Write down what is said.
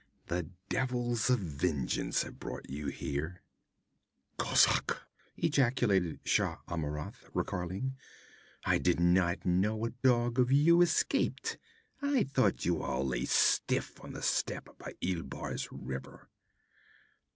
'The devils of vengeance have brought you here!' 'Kozak!' ejaculated Shah Amurath, recoiling. 'I did not know a dog of you escaped! I thought you all lay stiff on the steppe, by Ilbars River.'